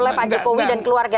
oleh pak jokowi dan keluarga